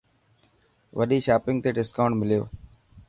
وڏي شاپنگ تي دسڪائونٽ مليو.